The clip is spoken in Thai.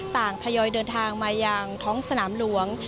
ทยอยเดินทางมายังท้องสนามหลวง